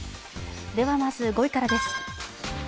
ではまず、５位からです。